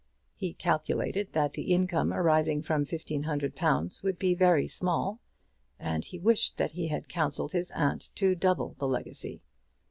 He calculated that the income arising from fifteen hundred pounds would be very small, and he wished that he had counselled his aunt to double the legacy.